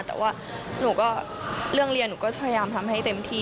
แต่ว่าหนูก็เรื่องเรียนหนูก็พยายามทำให้เต็มที่